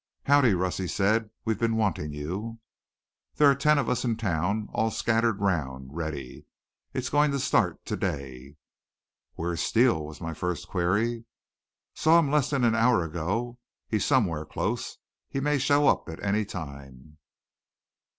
"Howdy, Russ," he said. "We've been wantin' you." "There's ten of us in town, all scattered round, ready. It's goin' to start to day." "Where's Steele?" was my first query. "Saw him less'n hour ago. He's somewhere close. He may show up any time."